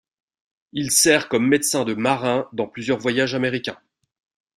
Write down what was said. Il sert comme médecin de marin dans plusieurs voyages américains.